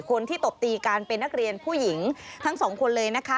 ตบตีกันเป็นนักเรียนผู้หญิงทั้งสองคนเลยนะคะ